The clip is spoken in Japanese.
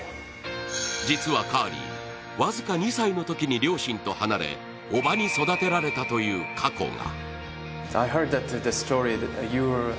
実はカーリー、僅か２歳のときに両親と離れ叔母に育てられたという過去が。